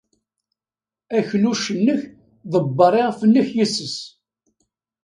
Akluc-nnek ḍebber iɣef-nnek yes-s.